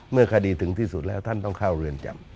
เมื่อคดีถึงที่สุดแล้วท่านต้องเข้าเรือนจำ